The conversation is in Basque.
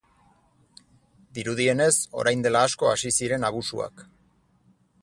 Dirudienez, orain dela asko hasi ziren abusuak.